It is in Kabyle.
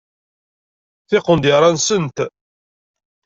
Tiqendyar-a nsent.